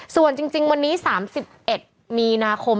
ส่วนจริงวันนี้๓๑มีนาคม